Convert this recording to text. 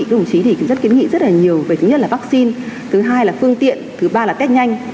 các đồng chí thì rất kiến nghị rất là nhiều về thứ nhất là vaccine thứ hai là phương tiện thứ ba là test nhanh